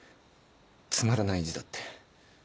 つまらない字だって。